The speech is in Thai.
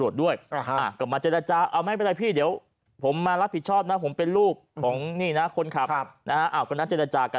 รับผิดชอบนะผมเป็นลูกของนี่นะคนขับครับนะฮะอ้าวกันนั้นเจรจากัน